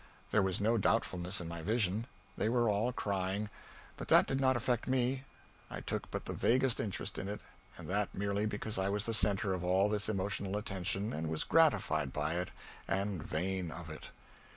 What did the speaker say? There was no doubtfulness in my vision. They were all crying, but that did not affect me. I took but the vaguest interest in it, and that merely because I was the centre of all this emotional attention and was gratified by it and vain of it.